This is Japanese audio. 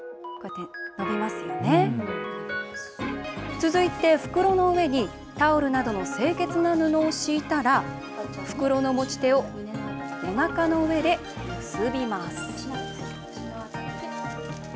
続いて袋の上にタオルなどの清潔な布を敷いたら袋の持ち手をおなかの上で結びます。